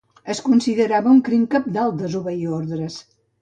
Es considerava un crim cabdal desobeir ordres.